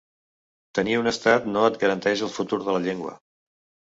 Tenir un estat no et garanteix el futur de la llengua.